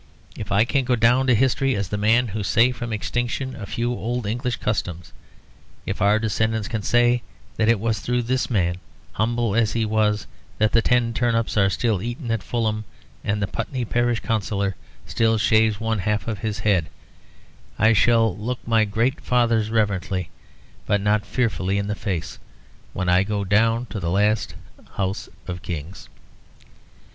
If I can go down to history as the man who saved from extinction a few old English customs, if our descendants can say it was through this man, humble as he was, that the Ten Turnips are still eaten in Fulham, and the Putney parish councillor still shaves one half of his head, I shall look my great fathers reverently but not fearfully in the face when I go down to the last house of Kings."